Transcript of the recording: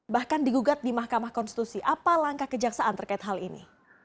bahkan digugat di mahkamah konstitusi apa langkah kejaksaan terkait hal ini